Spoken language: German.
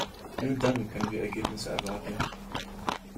Nur dann können wir Ergebnisse erwarten.